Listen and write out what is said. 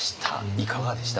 いかがでした？